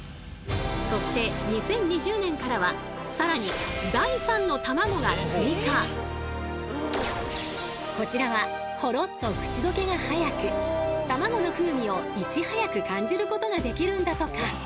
そして２０２０年からは更にこちらはほろっと口溶けが早くたまごの風味をいち早く感じることができるんだとか。